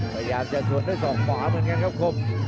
พยายามจะสวนด้วยศอกขวาเหมือนกันครับคม